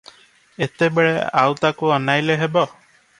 ଏତେବେଳେ ଆଉ ତାକୁ ଅନାଇଲେ ହେବ?